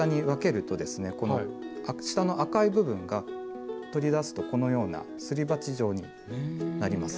この下の赤い部分が取り出すとこのようなすり鉢状になります。